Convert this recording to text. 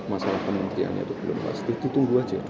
masalah kementerian itu belum pasti itu tunggu aja dulu